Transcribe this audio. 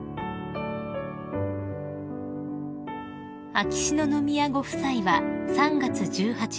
［秋篠宮ご夫妻は３月１８日